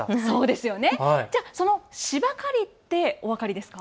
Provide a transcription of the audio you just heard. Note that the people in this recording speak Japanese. ではそのしば刈りってお分かりですか。